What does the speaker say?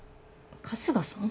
春日さん？